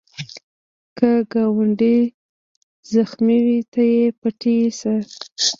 که ګاونډی زخمې وي، ته یې پټۍ شه